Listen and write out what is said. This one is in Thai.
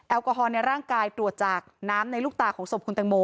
แอลกอฮอลในร่างกายตรวจจากน้ำในลูกตาของศพคุณตังโม